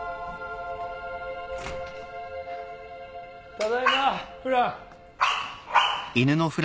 ただいまフラン。